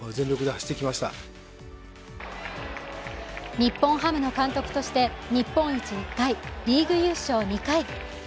日本ハムの監督として日本一１回、リーグ優勝２回。